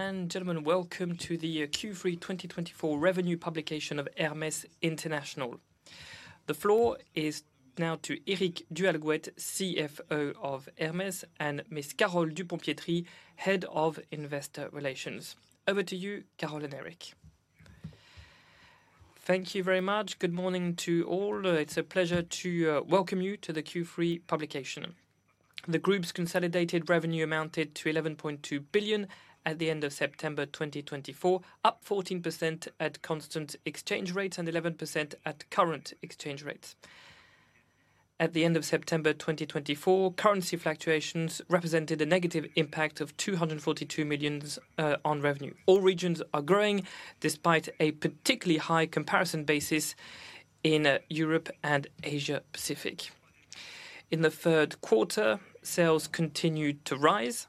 Ladies and gentlemen, welcome to the Q3 2024 revenue publication of Hermès International. The floor is now to Éric du Halgouët, CFO of Hermès, and Ms. Carole Dupont-Pietri, Head of Investor Relations. Over to you, Carole and Éric. Thank you very much. Good morning to all. It's a pleasure to welcome you to the Q3 publication. The group's consolidated revenue amounted to 11.2 billion at the end of September 2024, up 14% at constant exchange rates and 11% at current exchange rates. At the end of September 2024, currency fluctuations represented a negative impact of 242 million on revenue. All regions are growing, despite a particularly high comparison basis in Europe and Asia Pacific. In the third quarter, sales continued to rise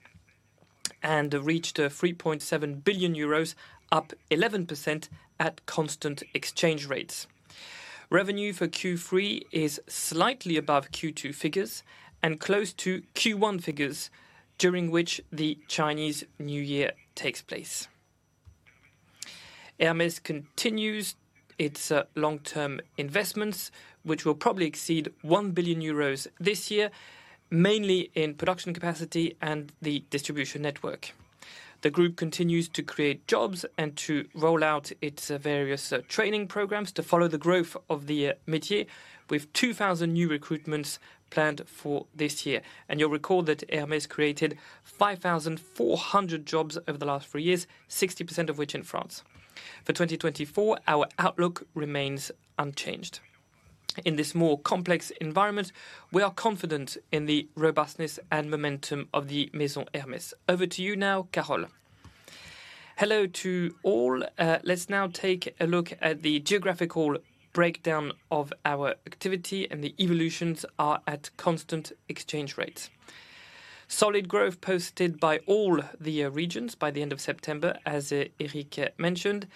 and reached 3.7 billion euros, up 11% at constant exchange rates. Revenue for Q3 is slightly above Q2 figures and close to Q1 figures, during which the Chinese New Year takes place. Hermès continues its long-term investments, which will probably exceed 1 billion euros this year, mainly in production capacity and the distribution network. The group continues to create jobs and to roll out its various training programs to follow the growth of the métier, with 2,000 new recruitments planned for this year. And you'll recall that Hermès created 5,400 jobs over the last three years, 60% of which in France. For 2024, our outlook remains unchanged. In this more complex environment, we are confident in the robustness and momentum of the Maison Hermès. Over to you now, Carole. Hello to all. Let's now take a look at the geographical breakdown of our activity, and the evolutions are at constant exchange rates. Solid growth posted by all the regions by the end of September, as Éric mentioned.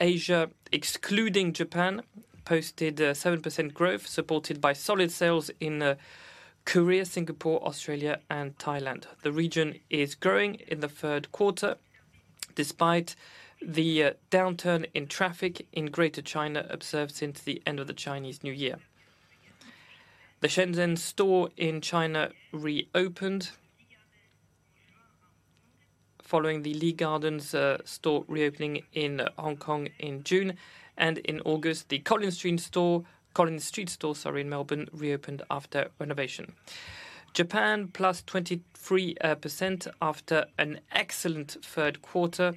Asia, excluding Japan, posted 7% growth, supported by solid sales in Korea, Singapore, Australia, and Thailand. The region is growing in the third quarter, despite the downturn in traffic in Greater China observed since the end of the Chinese New Year. The Shenzhen store in China reopened, following the Lee Gardens store reopening in Hong Kong in June, and in August, the Collins Street store in Melbourne reopened after renovation. Japan, plus 23%, after an excellent third quarter,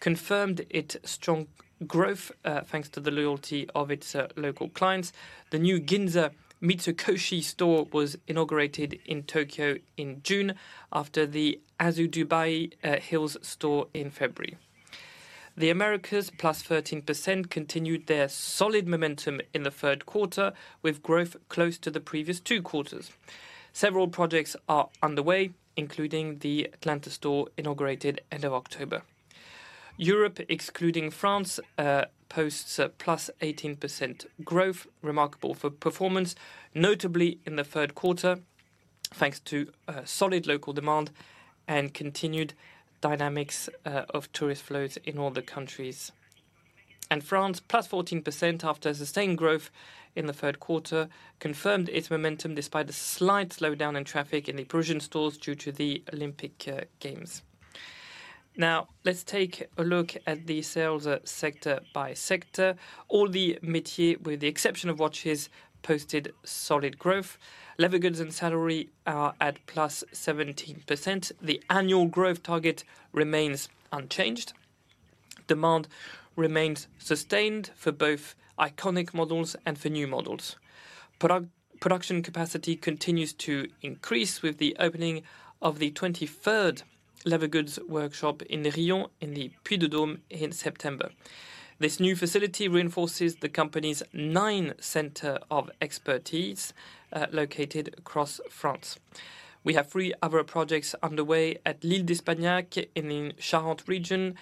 confirmed its strong growth, thanks to the loyalty of its local clients. The new Ginza Mitsukoshi store was inaugurated in Tokyo in June, after the Azabudai Hills store in February. The Americas, plus 13%, continued their solid momentum in the third quarter, with growth close to the previous two quarters. Several projects are underway, including the Atlanta store, inaugurated end of October. Europe, excluding France, posts a plus 18% growth, remarkable performance, notably in the third quarter, thanks to solid local demand and continued dynamics of tourist flows in all the countries. France, plus 14%, after sustained growth in the third quarter, confirmed its momentum despite a slight slowdown in traffic in the Parisian stores due to the Olympic Games. Now, let's take a look at the sales, sector by sector. All the métiers, with the exception of watches, posted solid growth. Leather goods and saddlery are at plus 17%. The annual growth target remains unchanged. Demand remains sustained for both iconic models and for new models. Production capacity continues to increase with the opening of the twenty-third leather goods workshop in Riom, in the Puy-de-Dôme, in September. This new facility reinforces the company's nine centers of expertise located across France. We have three other projects underway at L'Isle-d'Espagnac, in the Charente region,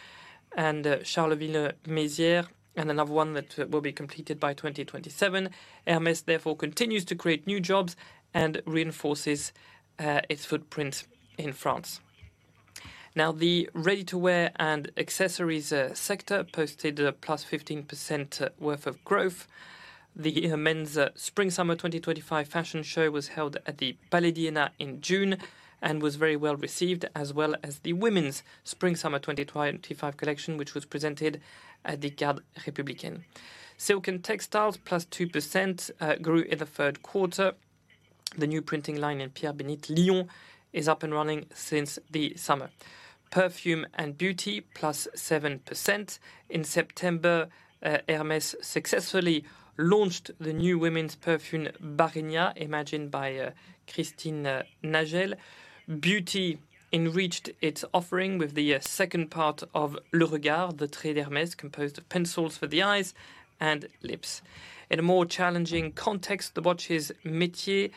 and Charleville-Mézières, and another one that will be completed by 2027. Hermès, therefore, continues to create new jobs and reinforces its footprint in France. Now, the ready-to-wear and accessories sector posted a plus 15% worth of growth. The men's spring/summer 2025 fashion show was held at the Palais d'Iéna in June and was very well-received, as well as the women's spring/summer 2025 collection, which was presented at the Garde Républicaine. Silk and textiles, +2%, grew in the third quarter. The new printing line in Pierre-Bénite, Lyon, is up and running since the summer. Perfume and beauty, +7%. In September, Hermès successfully launched the new women's perfume, Barénia, imagined by Christine Nagel. Beauty enriched its offering with the second part of Le Regard, the Trait d'Hermès, composed of pencils for the eyes and lips. In a more challenging context, the watches métier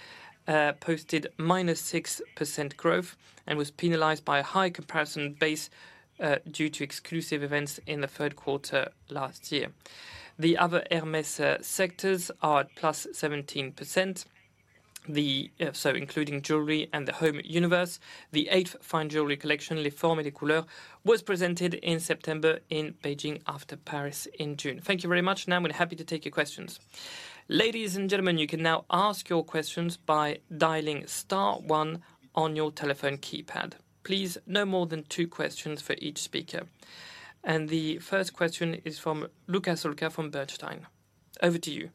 posted -6% growth and was penalized by a high comparison base due to exclusive events in the third quarter last year. The other Hermès sectors are at +17%. So including jewelry and the home universe, the eighth fine jewelry collection, Les Formes et les Couleurs, was presented in September in Beijing after Paris in June. Thank you very much. Now we're happy to take your questions. Ladies and gentlemen, you can now ask your questions by dialing star one on your telephone keypad. Please, no more than two questions for each speaker, and the first question is from Luca Solca from Bernstein. Over to you.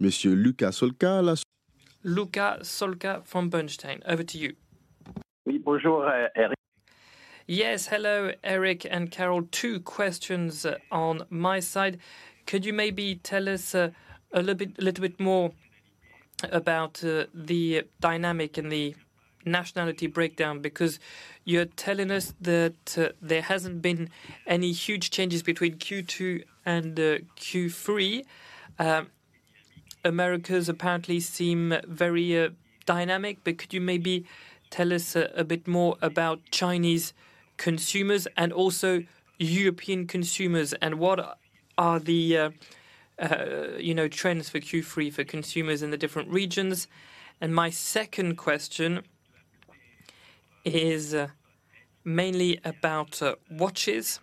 Mr. Luca Solca, Luca Solca from Bernstein, over to you. Oui, bonjour, Eric. Yes, hello, Éric and Carole. Two questions on my side. Could you maybe tell us a little bit more about the dynamic and the nationality breakdown? Because you're telling us that there hasn't been any huge changes between Q2 and Q3. Americas apparently seem very dynamic, but could you maybe tell us a bit more about Chinese consumers and also European consumers, and what are the trends for Q3 for consumers in the different regions? And my second question is mainly about watches.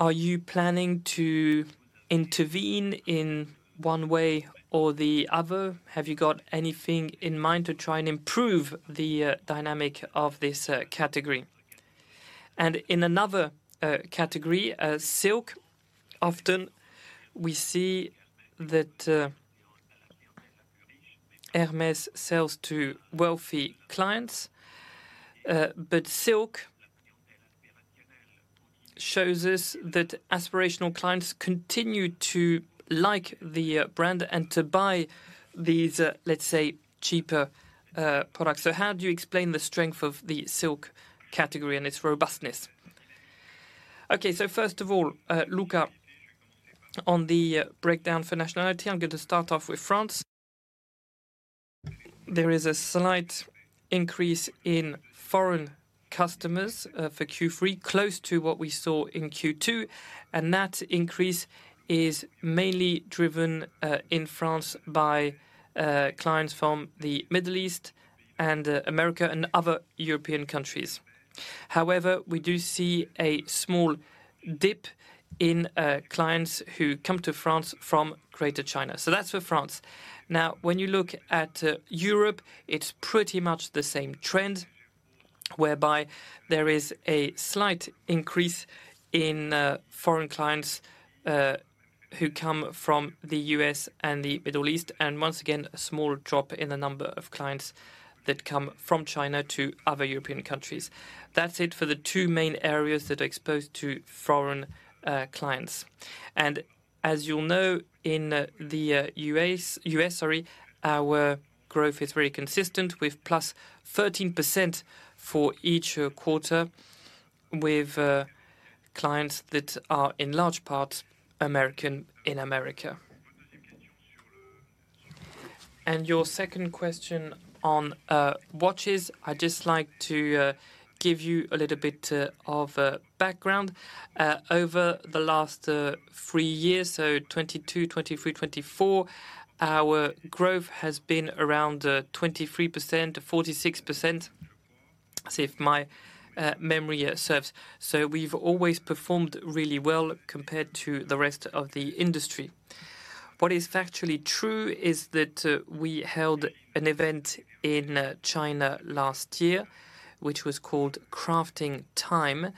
Are you planning to intervene in one way or the other? Have you got anything in mind to try and improve the dynamic of this category? In another category, silk, often we see that Hermès sells to wealthy clients, but silk shows us that aspirational clients continue to like the brand and to buy these, let's say, cheaper products. How do you explain the strength of the silk category and its robustness? Okay, first of all, Luca, on the breakdown for nationality, I'm going to start off with France. There is a slight increase in foreign customers for Q3, close to what we saw in Q2, and that increase is mainly driven in France by clients from the Middle East and America and other European countries. However, we do see a small dip in clients who come to France from Greater China. That's for France. Now, when you look at Europe, it's pretty much the same trend, whereby there is a slight increase in foreign clients who come from the US and the Middle East, and once again, a small drop in the number of clients that come from China to other European countries. That's it for the two main areas that are exposed to foreign clients. And as you'll know, in the US, our growth is very consistent, with +13% for each quarter, with clients that are, in large part, American in America. And your second question on watches, I'd just like to give you a little bit of background. Over the last three years, so 2022, 2023, 2024, our growth has been around 23% to 46%, if my memory serves. So we've always performed really well compared to the rest of the industry. What is factually true is that we held an event in China last year, which was called Crafting Time,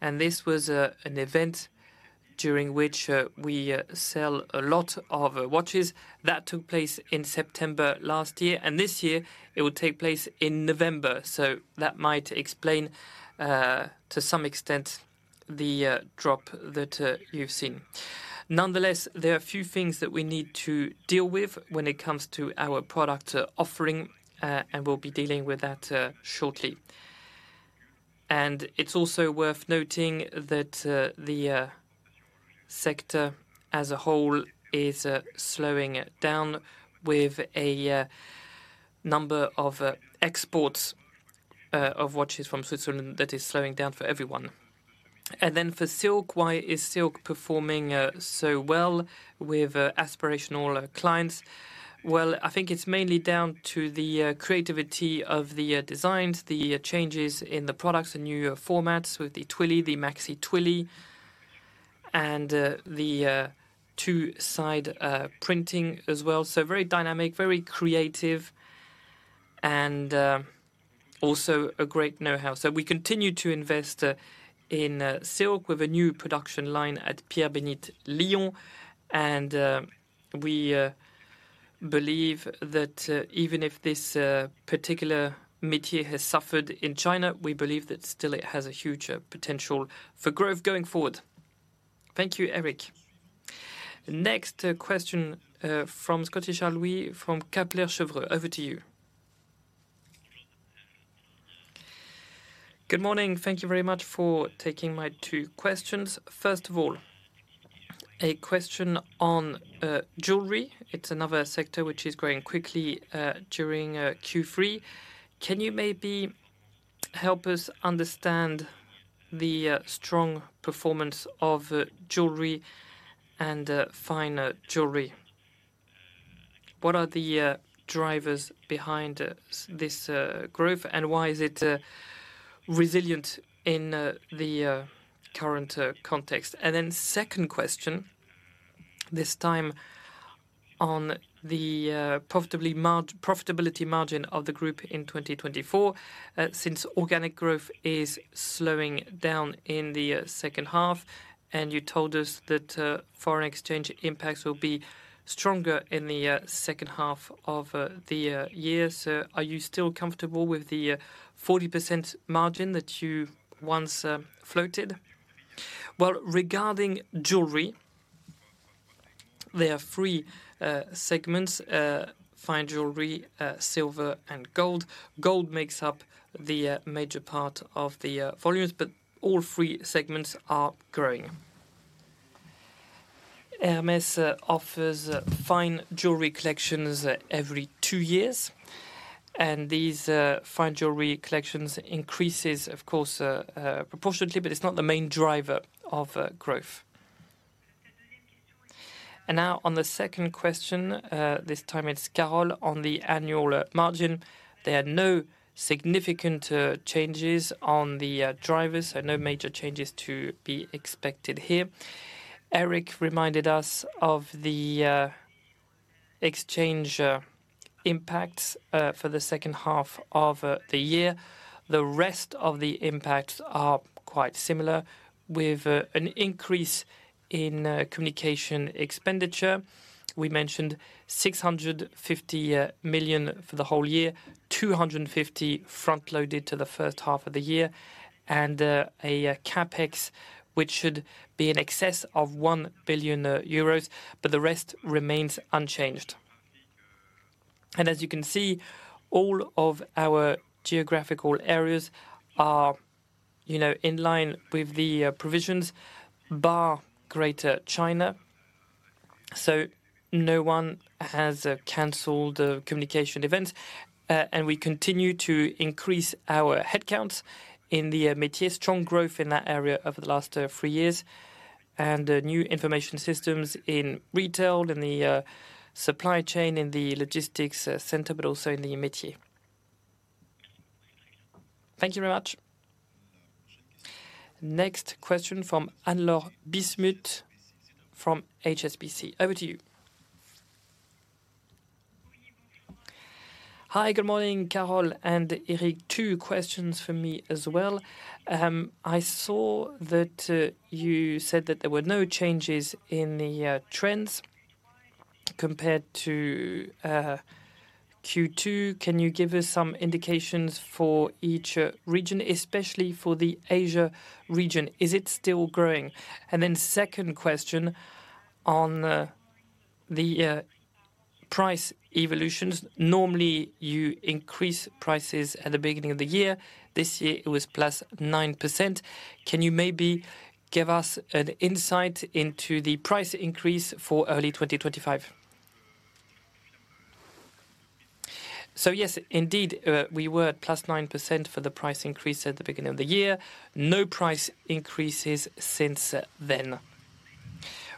and this was an event during which we sell a lot of watches. That took place in September last year, and this year it will take place in November, so that might explain to some extent the drop that you've seen. Nonetheless, there are a few things that we need to deal with when it comes to our product offering, and we'll be dealing with that shortly. And it's also worth noting that the sector as a whole is slowing it down with a number of exports of watches from Switzerland that is slowing down for everyone. Then for silk, why is silk performing so well with aspirational clients? I think it's mainly down to the creativity of the designs, the changes in the products, the new formats with the Twilly, the Maxi Twilly, and the two-side printing as well. So very dynamic, very creative, and also a great know-how. We continue to invest in silk with a new production line at Pierre-Bénite, Lyon. We believe that even if this particular métier has suffered in China, we believe that still it has a huge potential for growth going forward. Thank you, Éric. Next question from Charles-Louis Scotti from Kepler Cheuvreux. Over to you. Good morning. Thank you very much for taking my two questions. First of all, a question on jewelry. It's another sector which is growing quickly during Q3. Can you maybe help us understand the strong performance of jewelry and fine jewelry? What are the drivers behind this growth, and why is it resilient in the current context? And then second question, this time on the profitability margin of the group in 2024, since organic growth is slowing down in the second half, and you told us that foreign exchange impacts will be stronger in the second half of the year. So are you still comfortable with the 40% margin that you once floated? Well, regarding jewelry, there are three segments: fine jewelry, silver and gold. Gold makes up the major part of the volumes, but all three segments are growing. Hermès offers fine jewelry collections every two years, and these fine jewelry collections increases, of course, proportionately, but it's not the main driver of growth. And now on the second question, this time it's Carole, on the annual margin. There are no significant changes on the drivers and no major changes to be expected here. Eric reminded us of the exchange impacts for the second half of the year. The rest of the impacts are quite similar, with an increase in communication expenditure. We mentioned 650 million for the whole year, 250 front-loaded to the first half of the year, and a CapEx, which should be in excess of 1 billion euros, but the rest remains unchanged, and as you can see, all of our geographical areas are, you know, in line with the provisions, bar Greater China. So no one has canceled communication events, and we continue to increase our headcounts in the Métier. Strong growth in that area over the last three years, and new information systems in retail, in the supply chain, in the logistics center, but also in the Métier. Thank you very much. Next question from Anne-Laure Bismuth from HSBC. Over to you. Hi, good morning, Carole and Eric. Two questions for me as well. I saw that you said that there were no changes in the trends compared to Q2. Can you give us some indications for each region, especially for the Asia region? Is it still growing? And then second question on the price evolutions. Normally, you increase prices at the beginning of the year. This year it was plus 9%. Can you maybe give us an insight into the price increase for early 2025? So yes, indeed, we were at plus 9% for the price increase at the beginning of the year. No price increases since then.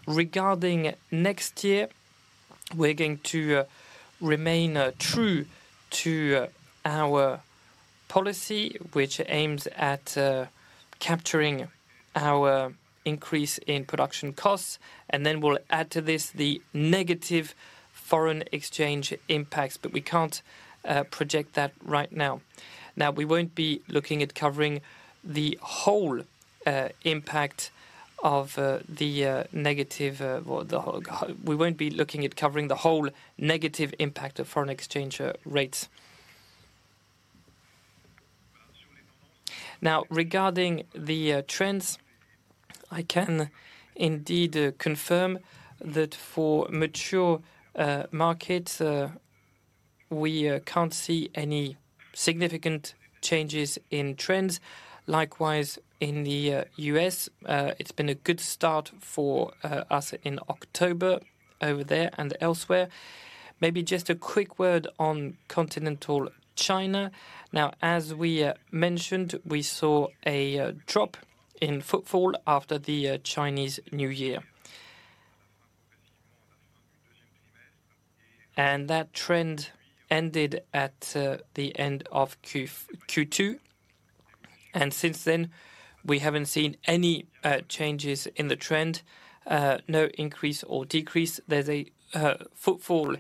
Regarding next year, we're going to remain true to our policy, which aims at capturing our increase in production costs, and then we'll add to this the negative foreign exchange impacts, but we can't project that right now. Now, we won't be looking at covering the whole negative impact of foreign exchange rates. Now, regarding the trends, I can indeed confirm that for mature markets, we can't see any significant changes in trends. Likewise, in the U.S., it's been a good start for us in October over there and elsewhere. Maybe just a quick word on Mainland China. Now, as we mentioned, we saw a drop in footfall after the Chinese New Year. That trend ended at the end of Q2, and since then, we haven't seen any changes in the trend, no increase or decrease. There's a footfall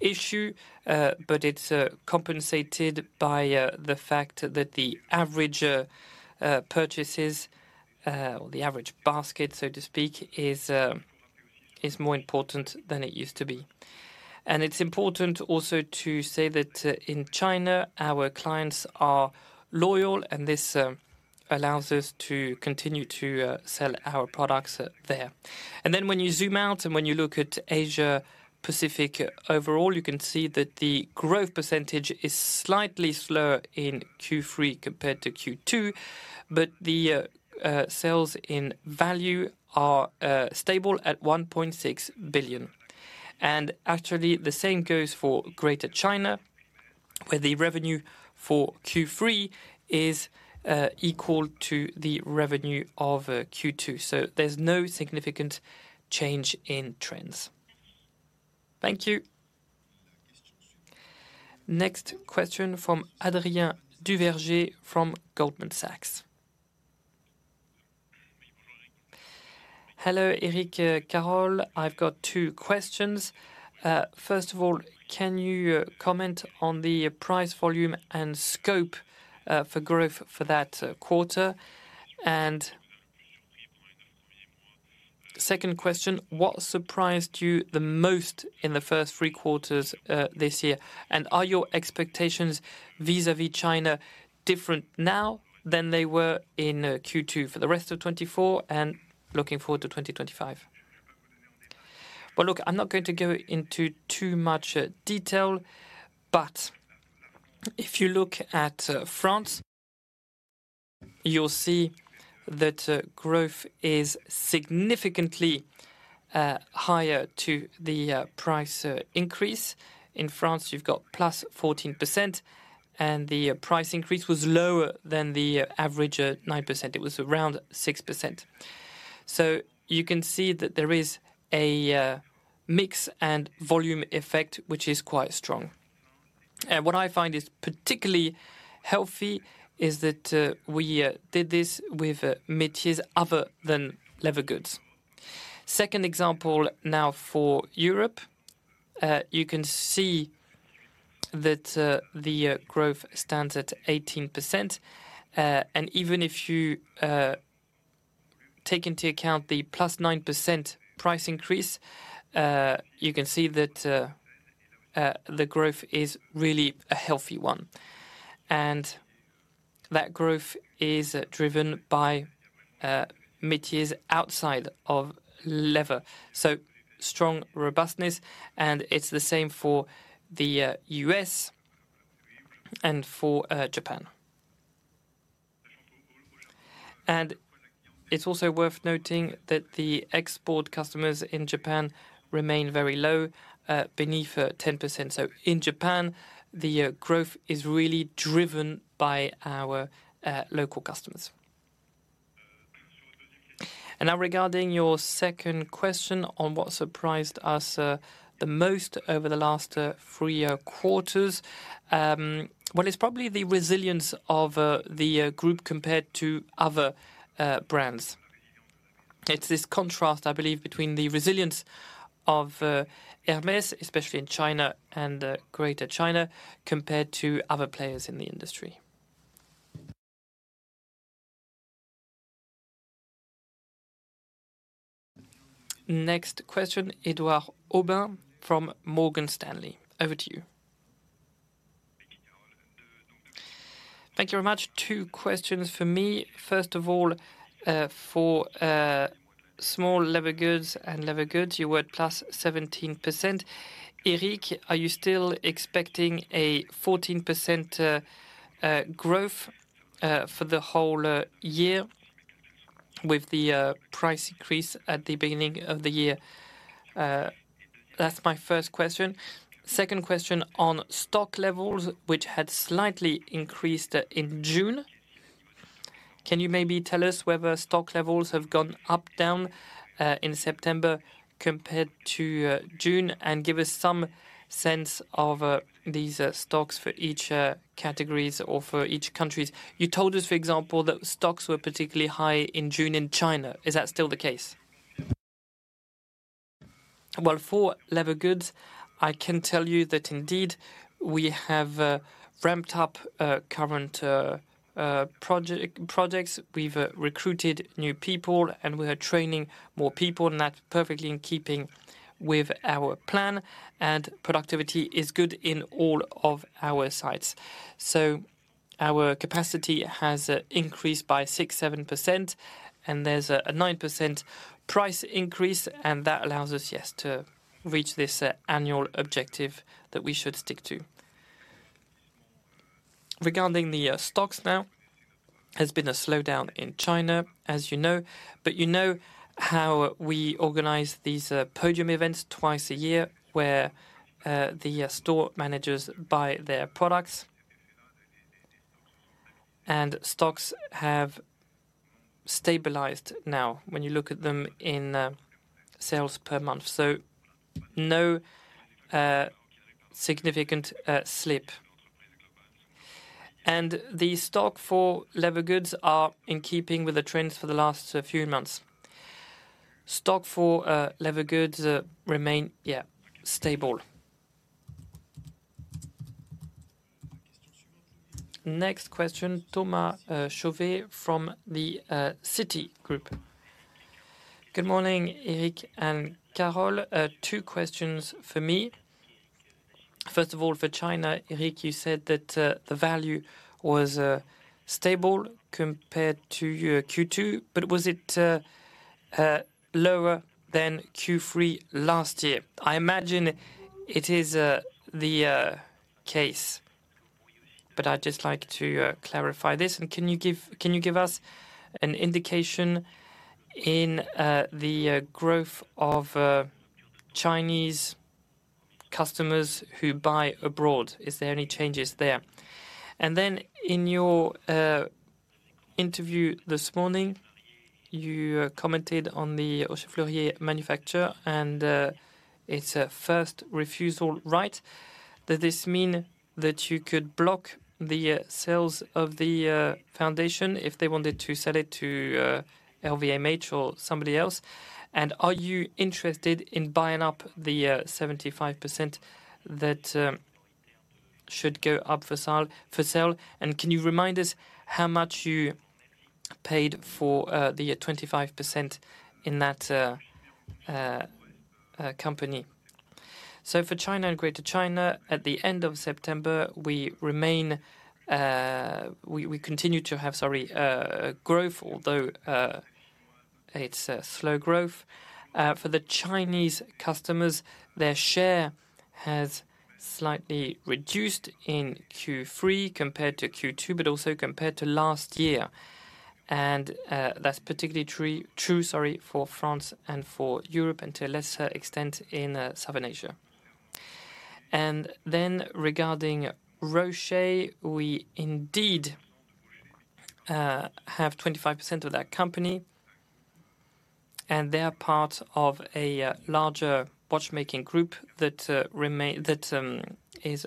issue, but it's compensated by the fact that the average purchases, or the average basket, so to speak, is more important than it used to be. And it's important also to say that in China, our clients are loyal, and this allows us to continue to sell our products there. And then when you zoom out and when you look at Asia Pacific overall, you can see that the growth percentage is slightly slower in Q3 compared to Q2, but the sales in value are stable at 1.6 billion. And actually, the same goes for Greater China, where the revenue for Q3 is equal to the revenue of Q2. So there's no significant change in trends. Thank you. Next question from Adrien Duverger from Goldman Sachs. Hello, Eric, Carole. I've got two questions. First of all, can you comment on the price, volume, and mix for growth for that quarter? And second question: What surprised you the most in the first three quarters this year? And are your expectations vis-a-vis China different now than they were in Q2 for the rest of 2024 and looking forward to 2025?" Well, look, I'm not going to go into too much detail, but if you look at France, you'll see that growth is significantly higher than the price increase. In France, you've got plus 14%, and the price increase was lower than the average 9%. It was around 6%. So you can see that there is a mix and volume effect, which is quite strong. What I find is particularly healthy is that we did this with métiers other than leather goods. Second example now for Europe, you can see that the growth stands at 18%. Even if you take into account the plus 9% price increase, you can see that the growth is really a healthy one, and that growth is driven by métiers outside of leather. Strong robustness, and it's the same for the US and for Japan. It's also worth noting that the export customers in Japan remain very low, beneath 10%. In Japan, the growth is really driven by our local customers. Now, regarding your second question on what surprised us the most over the last three quarters. Well, it's probably the resilience of the group compared to other brands. It's this contrast, I believe, between the resilience of Hermès, especially in China and Greater China, compared to other players in the industry. Next question, Edouard Aubin from Morgan Stanley. Over to you. Thank you very much. Two questions for me. First of all, for small leather goods and leather goods, you were at plus 17%. Eric, are you still expecting a 14% growth for the whole year with the price increase at the beginning of the year? That's my first question. Second question on stock levels, which had slightly increased in June. Can you maybe tell us whether stock levels have gone up, down, in September compared to June, and give us some sense of these stocks for each categories or for each countries? You told us, for example, that stocks were particularly high in June in China. Is that still the case? For leather goods, I can tell you that indeed we have ramped up current projects. We've recruited new people, and we are training more people, and that's perfectly in keeping with our plan, and productivity is good in all of our sites. So our capacity has increased by 6%-7%, and there's a 9% price increase, and that allows us, yes, to reach this annual objective that we should stick to. Regarding the stocks now, has been a slowdown in China, as you know, but you know how we organize these podium events twice a year, where the store managers buy their products. And stocks have stabilized now when you look at them in sales per month, so no significant slip. And the stock for leather goods are in keeping with the trends for the last few months. Stock for leather goods remain, yeah, stable. Next question, Thomas Chauvet, from the Citigroup. Good morning, Eric and Carole. Two questions for me. First of all, for China, Eric, you said that the value was stable compared to your Q2, but was it lower than Q3 last year? I imagine it is the case, but I'd just like to clarify this. Can you give us an indication in the growth of Chinese customers who buy abroad? Is there any changes there? And then in your interview this morning, you commented on the Vaucher Fleurier manufacture and its first refusal right. Does this mean that you could block the sales of the foundation if they wanted to sell it to LVMH or somebody else? And are you interested in buying up the 75% that should go up for sale? And can you remind us how much you paid for the 25% in that company? So for China and Greater China, at the end of September, we remain. We continue to have, sorry, growth, although it's a slow growth. For the Chinese customers, their share has slightly reduced in Q3 compared to Q2, but also compared to last year. That's particularly true, sorry, for France and for Europe, and to a lesser extent in Southern Asia. Then regarding Rocher, we indeed have 25% of that company, and they are part of a larger watchmaking group that remains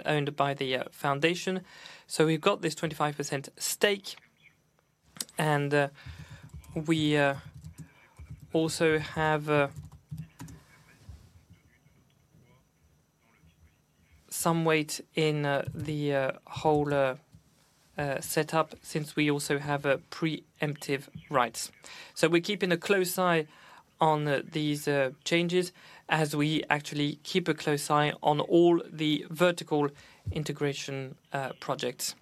owned by the foundation. So we've got this 25% stake, and we also have some weight in the whole setup since we also have preemptive rights. So we're keeping a close eye on these changes as we actually keep a close eye on all the vertical integration projects.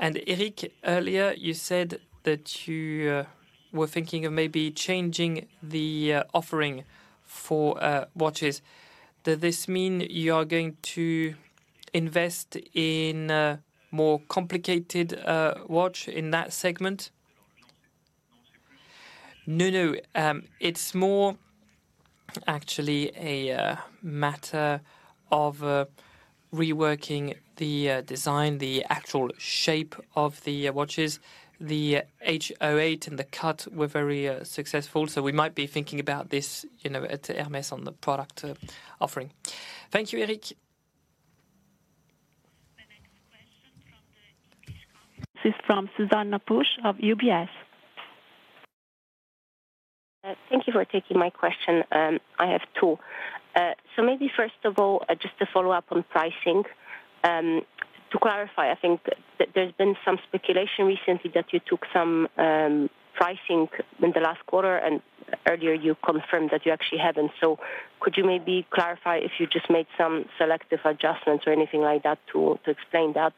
Éric, earlier, you said that you were thinking of maybe changing the offering for watches. Does this mean you are going to invest in a more complicated watch in that segment? No, no, it's more actually a matter of reworking the design, the actual shape of the watches. The H08 and the Cut were very successful, so we might be thinking about this, you know, at Hermès on the product offering. Thank you, Éric. The next question from the UBS conference. This is from Zuzanna Pusz of UBS. Thank you for taking my question. I have two. So maybe first of all, just to follow up on pricing. To clarify, I think that there's been some speculation recently that you took some pricing in the last quarter, and earlier, you confirmed that you actually haven't. So could you maybe clarify if you just made some selective adjustments or anything like that to explain that?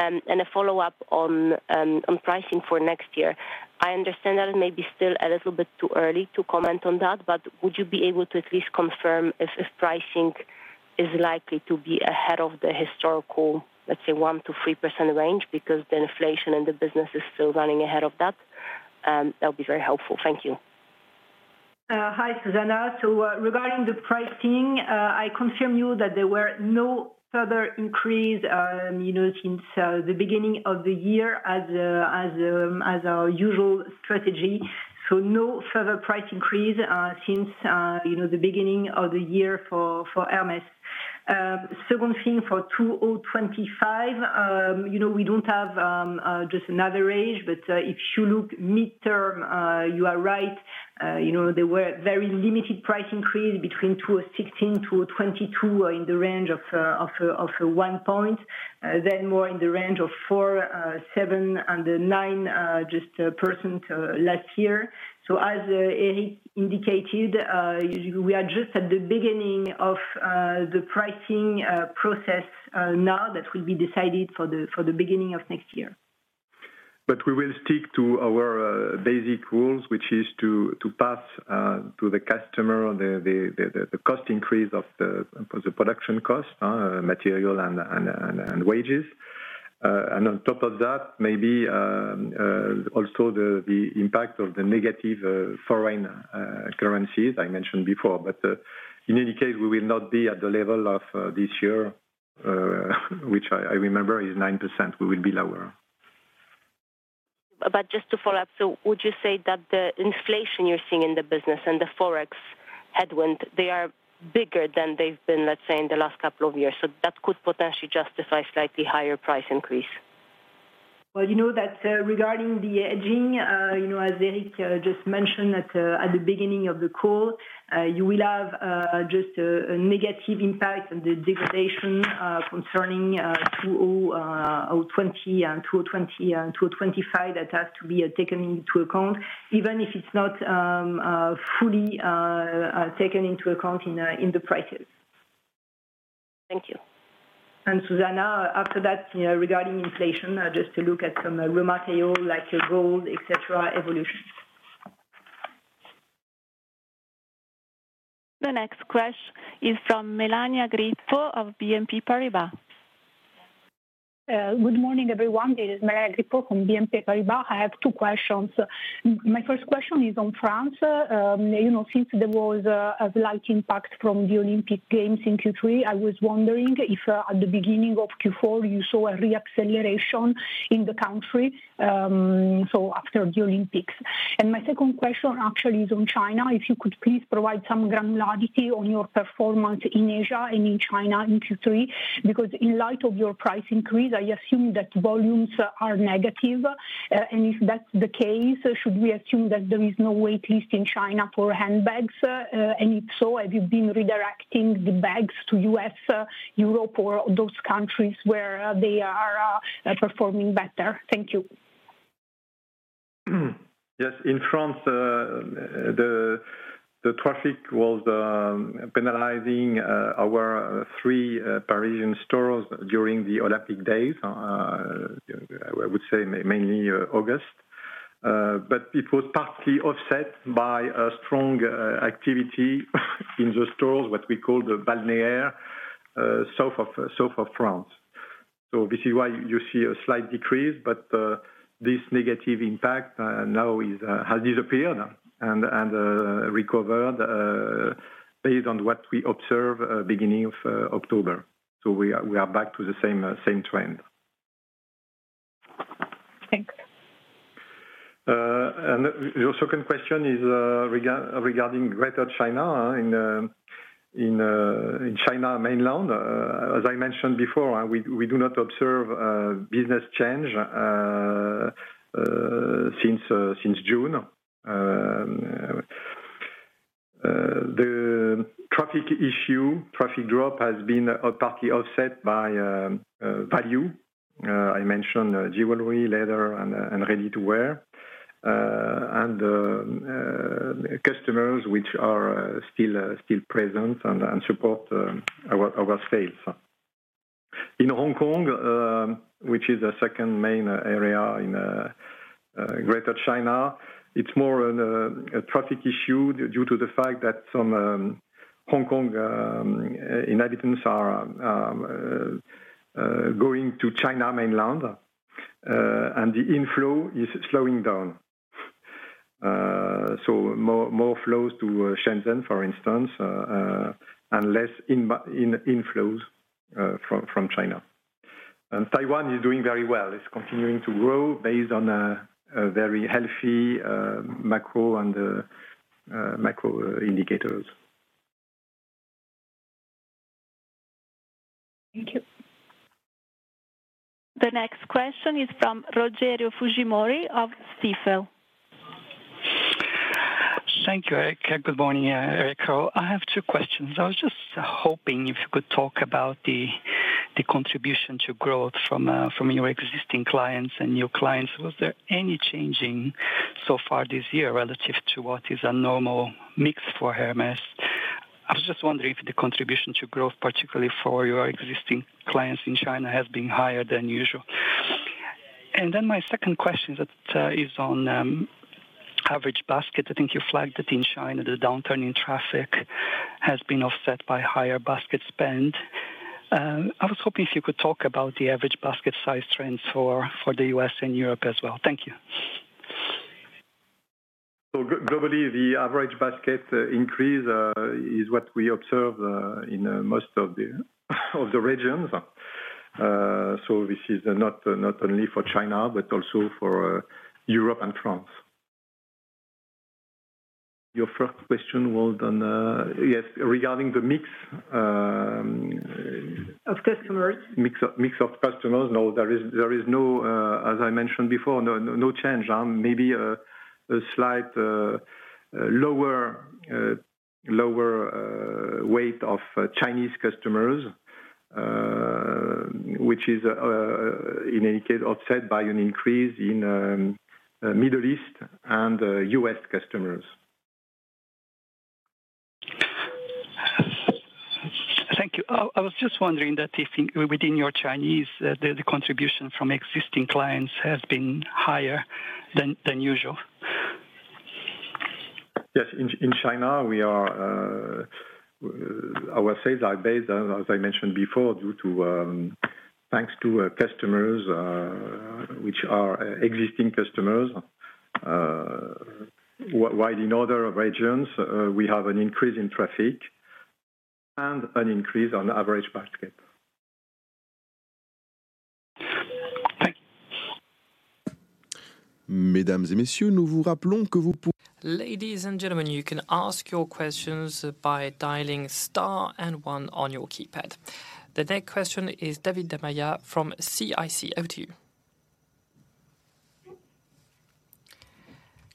And a follow-up on pricing for next year. I understand that it may be still a little bit too early to comment on that, but would you be able to at least confirm if pricing is likely to be ahead of the historical, let's say, 1%-3% range? Because the inflation in the business is still running ahead of that. That would be very helpful. Thank you. Hi, Zuzanna. So, regarding the pricing, I confirm you that there were no further increase, you know, since the beginning of the year as, as our usual strategy. So no further price increase, since you know, the beginning of the year for Hermès. Second thing, for 2025, you know, we don't have just an average, but if you look midterm, you are right. You know, there were very limited price increase between 2016 to 2022 in the range of 1%, then more in the range of 4%, 7%, and 9% last year. So as Éric indicated, we are just at the beginning of the pricing process now that will be decided for the beginning of next year. But we will stick to our basic rules, which is to pass to the customer the cost increase of the production cost, material and wages. And on top of that, maybe also the impact of the negative foreign currencies I mentioned before. But in any case, we will not be at the level of this year, which I remember is 9%. We will be lower. But just to follow up, so would you say that the inflation you're seeing in the business and the Forex headwind, they are bigger than they've been, let's say, in the last couple of years, so that could potentially justify a slightly higher price increase? Well, you know that, regarding the hedging, you know, as Éric just mentioned at the beginning of the call, you will have just a negative impact on the degradation, concerning 2020 and 2022 and 2025. That has to be taken into account, even if it's not fully taken into account in the prices. Thank you. Zuzanna, after that, you know, regarding inflation, just to look at some raw material, like your gold, et cetera, evolution. The next question is from Melania Grippo of BNP Paribas. Good morning, everyone. It is Melania Grippo from BNP Paribas. I have two questions. My first question is on France. You know, since there was a slight impact from the Olympic Games in Q3, I was wondering if at the beginning of Q4, you saw a re-acceleration in the country, so after the Olympics. And my second question actually is on China. If you could please provide some granularity on your performance in Asia and in China in Q3, because in light of your price increase, I assume that volumes are negative. And if that's the case, should we assume that there is no wait list in China for handbags? And if so, have you been redirecting the bags to U.S., Europe, or those countries where they are performing better? Thank you. Yes, in France, the traffic was penalizing our three Parisian stores during the Olympic days. I would say mainly August. But it was partly offset by a strong activity in the stores, what we call the balnéaire, south of France. So this is why you see a slight decrease, but this negative impact now has disappeared and recovered, based on what we observe, beginning of October. So we are back to the same trend. Thanks. And your second question is regarding Greater China. In mainland China, as I mentioned before, we do not observe business change since June. The traffic issue, traffic drop has been partly offset by value. I mentioned jewelry, leather, and ready-to-wear. And customers which are still present and support our sales. In Hong Kong, which is the second main area in Greater China, it's more a traffic issue due to the fact that some Hong Kong inhabitants are going to mainland China, and the inflow is slowing down. So more flows to Shenzhen, for instance, and less inflows from China. And Taiwan is doing very well. It's continuing to grow based on a very healthy macro and micro indicators. Thank you. The next question is from Rogério Fujimori of Stifel. Thank you, Eric. Good morning, Éric, I have two questions. I was just hoping if you could talk about the contribution to growth from your existing clients and new clients. Was there any changing so far this year relative to what is a normal mix for Hermès? I was just wondering if the contribution to growth, particularly for your existing clients in China, has been higher than usual. And then my second question that is on average basket. I think you flagged it in China, the downturn in traffic has been offset by higher basket spend. I was hoping if you could talk about the average basket size trends for the U.S. and Europe as well. Thank you. So globally, the average basket increase is what we observe in most of the regions. So this is not only for China, but also for Europe and France. Your first question was on yes, regarding the mix. Of customers. Mix of customers. No, there is no, as I mentioned before, no change. Maybe a slight lower weight of Chinese customers, which is, in any case, offset by an increase in Middle East and U.S .customers. Thank you. I was just wondering that if in, within your Chinese, the contribution from existing clients has been higher than usual? Yes, in China, our sales are based, as I mentioned before, due to thanks to customers, which are existing customers. While in other regions, we have an increase in traffic and an increase on average basket. Thank you. Ladies and gentlemen, you can ask your questions by dialing star and one on your keypad. The next question is David Da Maia from CIC Market Solutions.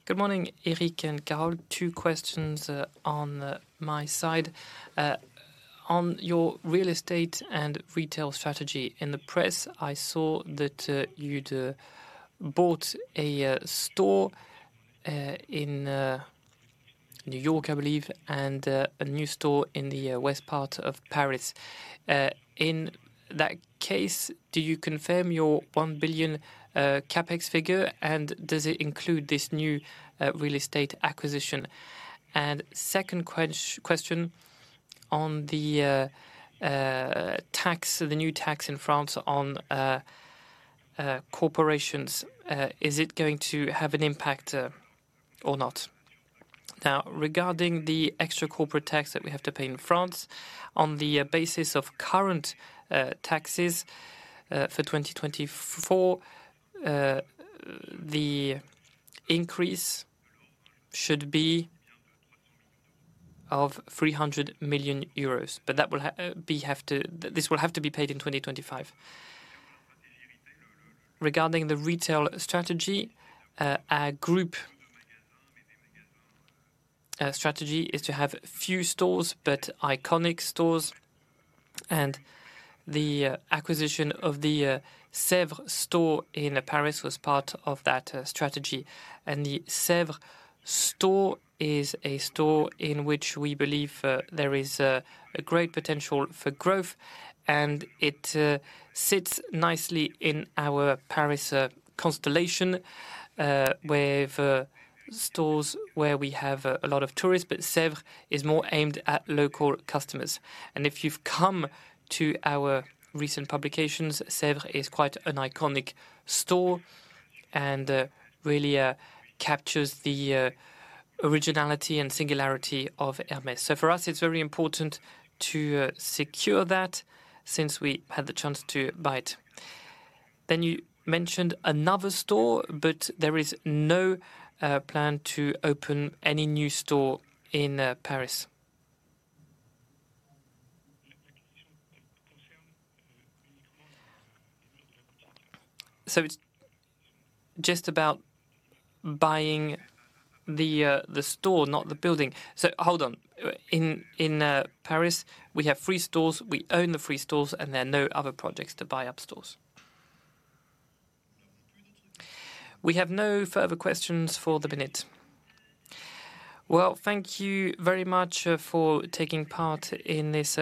Good morning, Eric and Carole. Two questions on my side. On your real estate and retail strategy. In the press, I saw that you'd bought a store in New York, I believe, and a new store in the west part of Paris. In that case, do you confirm your 1 billion CapEx figure, and does it include this new real estate acquisition? And second question on the tax, the new tax in France on corporations. Is it going to have an impact or not? Now, regarding the extra corporate tax that we have to pay in France, on the basis of current taxes, for 2024, the increase should be of 300 million euros, but this will have to be paid in 2025. Regarding the retail strategy, our group strategy is to have few stores, but iconic stores, and the acquisition of the Rue de Sèvres store in Paris was part of that strategy. The Rue de Sèvres store is a store in which we believe there is a great potential for growth, and it sits nicely in our Paris constellation, with stores where we have a lot of tourists, but Sèvres is more aimed at local customers. And if you've come to our recent publications, Sèvres is quite an iconic store and really captures the originality and singularity of Hermès. So for us, it's very important to secure that, since we had the chance to buy it. Then you mentioned another store, but there is no plan to open any new store in Paris. So it's just about buying the store, not the building. So hold on. In Paris, we have three stores. We own the three stores, and there are no other projects to buy up stores. We have no further questions for the minute. Well, thank you very much for taking part in this.